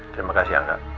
terima kasih angga